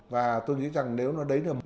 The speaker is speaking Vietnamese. và tôi nghĩ rằng nếu nó đấy được